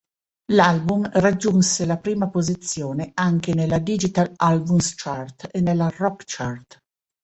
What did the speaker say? L'album raggiunse la prima posizione anche nella Digital Albums Chart e nella Rock Chart.